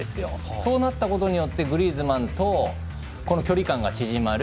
そうなったことによってグリーズマンと距離感が縮まる。